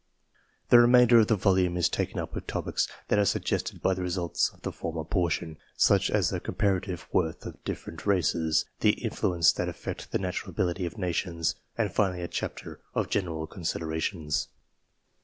The remainder of the volume is taken up with topics that are suggested by the results of the former portion, such as the comparative worth of different races, the influences that affect the natural ability of nations, and finally a chapter of general considerations.